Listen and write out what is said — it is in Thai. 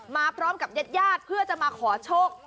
มาพร้อมกับเย็ดเพื่อจะมาขอโชค